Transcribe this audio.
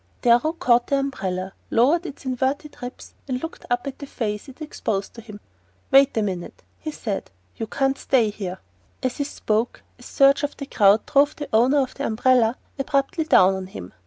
Darrow caught the umbrella, lowered its inverted ribs, and looked up at the face it exposed to him. "Wait a minute," he said; "you can't stay here." As he spoke, a surge of the crowd drove the owner of the umbrella abruptly down on him.